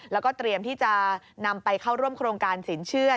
แล้วก็เตรียมที่จะนำไปเข้าร่วมโครงการสินเชื่อ